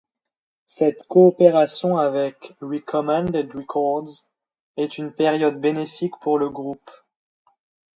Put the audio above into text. Cette coopération avec Recommended Records est une période bénéfique pour le groupe.